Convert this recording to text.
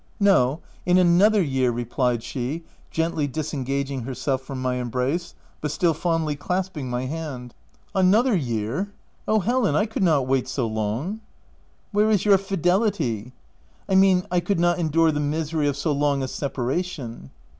" No — in another year/ 5 replied she, gently disengaging herself from my embrace, but still fondly clasping my hand. " Another year ! Oh, Helen, I could not wait so long !" u Where is your fidelity V " I mean I could not endure the misery of so long a separation."